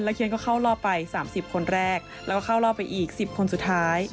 เคียนก็เข้ารอบไป๓๐คนแรกแล้วก็เข้ารอบไปอีก๑๐คนสุดท้าย